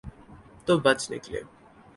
تو بچ نکلے۔